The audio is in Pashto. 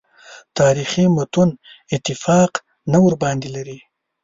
تاریخي متون اتفاق نه ورباندې لري.